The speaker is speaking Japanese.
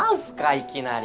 いきなり。